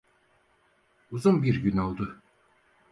Uzun bir gün oldu.